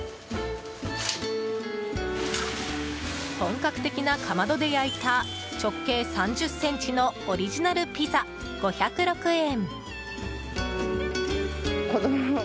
本格的なかまどで焼いた直径３０ｃｍのオリジナルピザ５０６円。